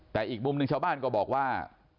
แต่อีกมุมหนึ่งชาวบ้านก็บอกว่า